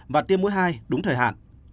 và tiêm mũi hai đúng thời hạn